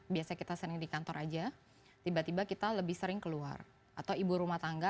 biasanya kita sering di kantor aja tiba tiba kita lebih sering keluar atau ibu rumah tangga